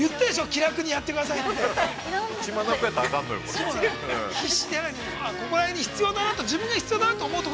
気楽にやってくださいって。